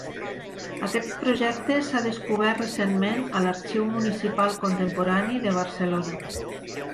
Aquest projecte s'ha descobert recentment a l'Arxiu Municipal Contemporani de Barcelona.